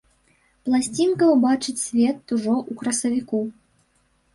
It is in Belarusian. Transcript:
Пласцінка убачыць свет ужо ў красавіку.